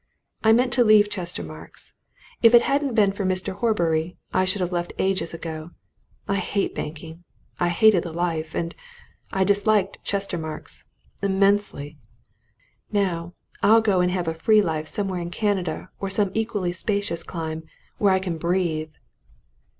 I meant to leave Chestermarke's. If it hadn't been for Mr. Horbury, I should have left ages ago. I hate banking! I hated the life. And I dislike Chestermarke's! Immensely! Now, I'll go and have a free life somewhere in Canada or some equally spacious clime where I can breathe."